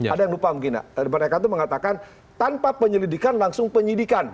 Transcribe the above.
ada yang lupa mungkin mereka itu mengatakan tanpa penyelidikan langsung penyidikan